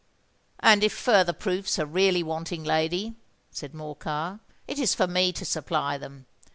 "And if farther proofs are really wanting, lady," said Morcar, "it is for me to supply them.